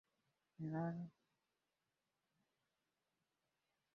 Si kwa kupenda kwangu lakini naomba msamaha.